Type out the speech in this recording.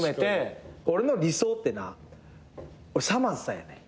俺の理想ってなさまぁずさんやねん。